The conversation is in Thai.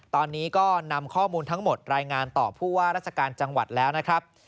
ตอนนี้ก็นำข้อมูลทั้งหมดรายงานต่อผู้ว่าราชการจังหวัดแล้วนะครับ